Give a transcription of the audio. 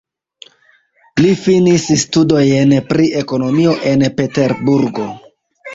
Li finis studojn pri ekonomio en Peterburgo.